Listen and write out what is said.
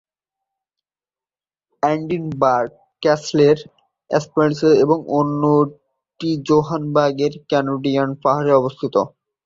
Edinburgh ক্যাসলের Esplanade এবং অন্যটি জোহানেসবার্গের Caledonia পাহাড়ে অবস্থিত।